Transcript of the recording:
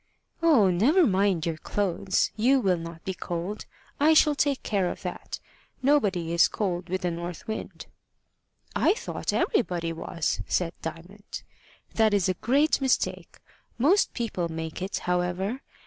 "Oh, never mind your clothes. You will not be cold. I shall take care of that. Nobody is cold with the north wind." "I thought everybody was," said Diamond. "That is a great mistake. Most people make it, however.